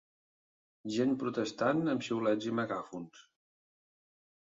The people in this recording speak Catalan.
gent protestant amb xiulets i megàfons.